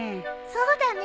そうだね。